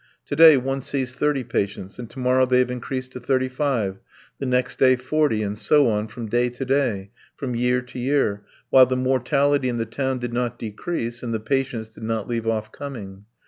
To day one sees thirty patients, and to morrow they have increased to thirty five, the next day forty, and so on from day to day, from year to year, while the mortality in the town did not decrease and the patients did not leave off coming.